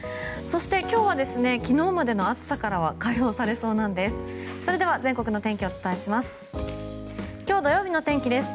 そして、今日は昨日までの暑さからは解放されそうなんです。